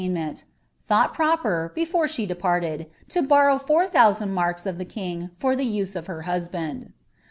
57 iMmnent, (honghl proper, before she departed, lo borrow four il marka of the kinj for the use of her hueband.